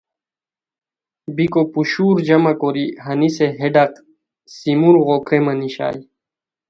بیکو پوشور جمع کوری ہنیسے ہے ڈاق سیمُرغو کریمہ نیشائے